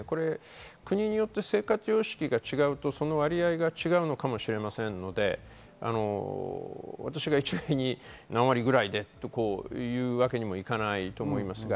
国によって生活様式が違うとその割合が違うのかもしれませんので、私が一概に何割くらいでと言うわけにもいかないと思います。